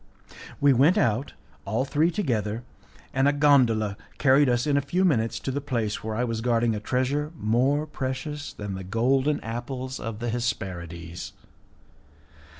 We went out all three together, and a gondola carried us in a few minutes to the place where I was guarding a treasure more precious than the golden apples of the Hesperides.